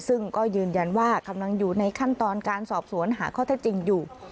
ซึ่งก็ยืนยันว่ากำลังอยู่ในขั้นตอนการสอบสวนหาข้อเท็จจริงอยู่